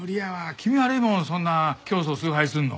気味悪いもんそんな教祖崇拝するの。